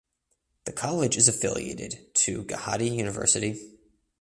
The college is affiliated to Gauhati University.